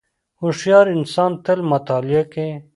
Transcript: • هوښیار انسان تل مطالعه کوي.